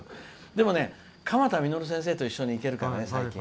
でもね、鎌田實先生と一緒に行けるからね、最近。